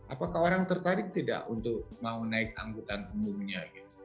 apakah orang tertarik tidak untuk mau naik angkutan umumnya